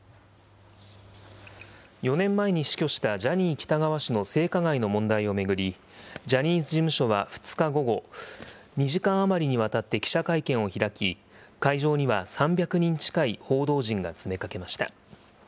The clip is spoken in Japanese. ４年前に死去した、ジャニー喜多川氏の性加害の問題を巡り、ジャニーズ事務所は２日午後、２時間余りにわたって記者会見を開き、会場には３００人近い報道陣が詰めかけました。